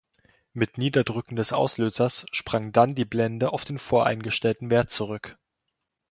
Mit niederdrücken des Auslösers sprang dann die Blende auf den voreingestellten Wert zurück.